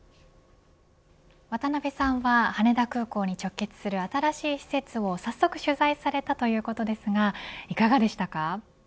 渡辺さんは羽田空港に直結する新しい施設を、早速取材されたということですがいかがでしたか。